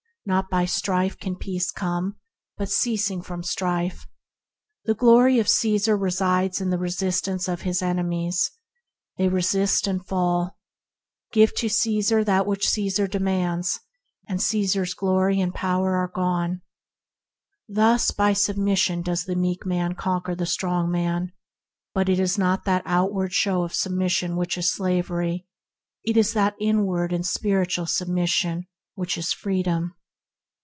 Not by strife can peace come, but by ceasing from strife. The glory of Caesar resides in the resistance of his enemies. They resist and fall. Give to Caesar what Caesar demands, and Caesar* s glory and power are gone. Thus by submission does the meek man conquer the strong man; but it is not the outward show of submission that is slavery, it is the inward and spiritual submission that is freedom.